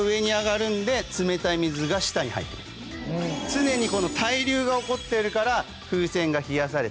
常にこの対流が起こっているから。